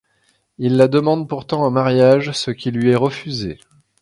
Il la demande pourtant en mariage, ce qui lui est refusé.